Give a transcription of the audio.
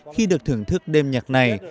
khi được thưởng thức đêm nhạc này